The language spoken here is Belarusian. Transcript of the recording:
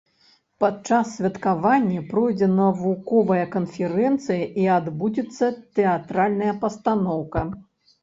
Падчас святкавання пройдзе навуковая канферэнцыя і адбудзецца тэатральная пастаноўка.